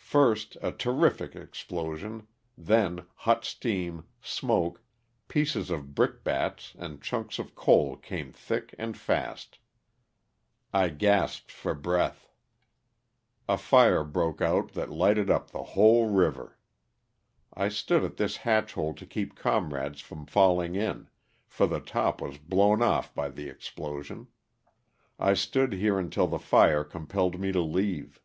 First a terrific explosion, then hot steam, smoke, pieces of brick bats and chunks of coal came thick and fast. I gasped for breath. A fire 40 LOSS OF THE SULTAl^TA. broke out that lighted up the whole river. I stood at this hatch hole to keep comrades from falling in, for the top was blown off by the explosion. I stood here until the fire compelled me to leave.